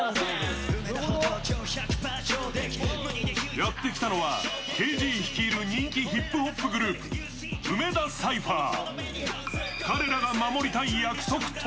やってきたのはＫＺ率いる人気ヒップホップグループ梅田サイファー。